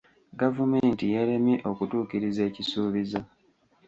Gavumenti yeeremye okutuukiriza ekisuubizo.